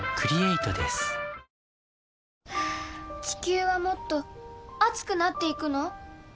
地球はもっと熱くなっていくの？